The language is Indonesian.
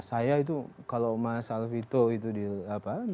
saya itu kalau mas alvito itu di apa